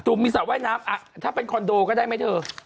ถูกมีสระว่าน้ำอ่ะถ้าเป็นคอนโดก็ได้ไหมเถอะ